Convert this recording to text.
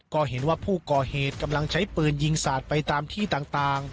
ก็เห็นว่าผู้ก่อเหตุกำลังใช้ปืนยิงสาดไปตามที่ต่าง